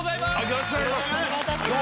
よろしくお願いします。